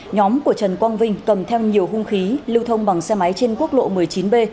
nhóm của trần quang vinh cầm theo nhiều hung khí lưu thông bằng xe máy trên quốc lộ một mươi chín b